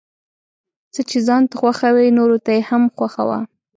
څه چې ځان ته خوښوې نوروته يې هم خوښوه ،